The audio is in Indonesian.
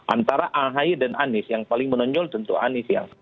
antara ahy dan anies yang paling menonjol tentu anies ya